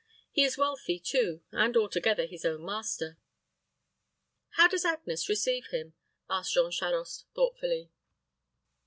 He is wealthy, too, and altogether his own master." "How does Agnes receive him?" asked Jean Charost, thoughtfully.